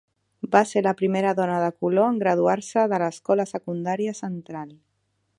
Va ser la primera dona de color en graduar-se de l'escola secundària Central.